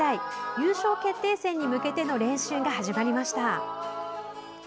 優勝決定戦に向けての練習が始まりました。